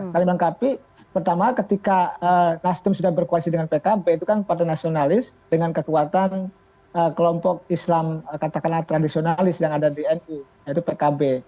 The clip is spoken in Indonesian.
saling melengkapi pertama ketika nasdem sudah berkoalisi dengan pkb itu kan partai nasionalis dengan kekuatan kelompok islam katakanlah tradisionalis yang ada di nu yaitu pkb